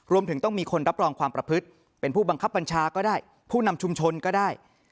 รวมถึงต้องมีคนรับรองความประพฤติเป็นผู้บังคับบัญชาก็ได้ผู้นำชุมชนก็ได้